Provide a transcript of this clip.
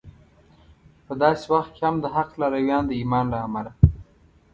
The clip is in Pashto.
په داسې وخت کې هم د حق لارویان د ایمان له امله